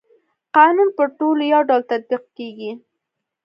قانون پر ټولو يو ډول تطبيق کيږي.